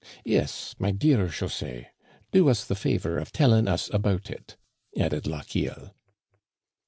Yes, my dear José, do us the favor of telling us about it," added Lochiel.